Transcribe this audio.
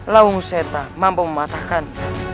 lau museta mampu mematahkan